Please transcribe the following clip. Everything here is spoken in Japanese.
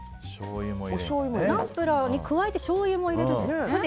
ナンプラーに加えてしょうゆも入れるんですね。